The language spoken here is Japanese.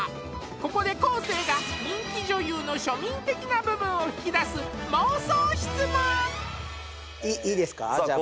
ここで昴生が人気女優の庶民的な部分を引き出す妄想質問いいですかさあ昴